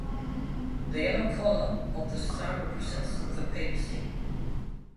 The yellow colour of the star represents the Papacy.